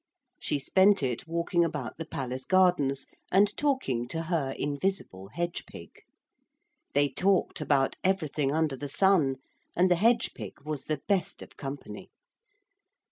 She spent it walking about the palace gardens and talking to her invisible hedge pig. They talked about everything under the sun, and the hedge pig was the best of company.